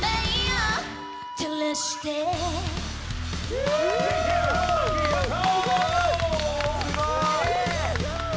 すごーい！